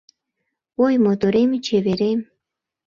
Ой, моторем, чеверем